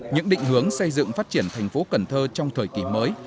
những định hướng xây dựng phát triển thành phố cần thơ trong thời kỳ mới